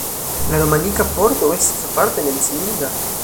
La romanika pordo estas aparte menciinda.